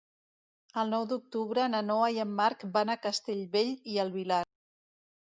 El nou d'octubre na Noa i en Marc van a Castellbell i el Vilar.